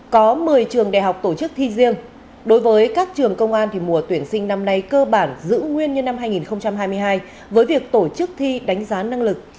có một mươi trường đại học tổ chức thi riêng đối với các trường công an thì mùa tuyển sinh năm nay cơ bản giữ nguyên như năm hai nghìn hai mươi hai với việc tổ chức thi đánh giá năng lực